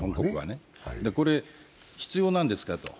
これ必要なんですかと。